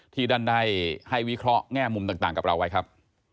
ที่ท่านได้ให้วิเคราะห์แง่มุมต่างกับเราไว้ครับ